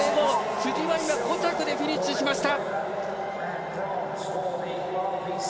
辻は５着でフィニッシュしました。